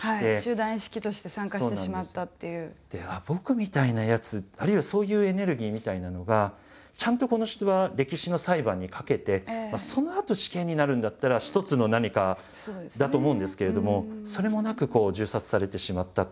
僕みたいなやつあるいはそういうエネルギーみたいなのがちゃんとこの人は歴史の裁判にかけてそのあと死刑になるんだったら一つの何かだと思うんですけれどもそれもなく銃殺されてしまった。